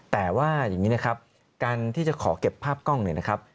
แต่ว่าอย่างนี้นะครับการที่จะขอเก็บภาพกล้องเนี่ยนะครับ